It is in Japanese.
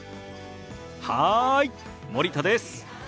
はい森田です。